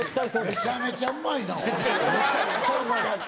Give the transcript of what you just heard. めちゃくちゃうまい。